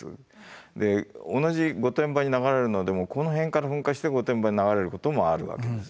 同じ御殿場に流れるのでもこの辺から噴火して御殿場に流れることもあるわけです。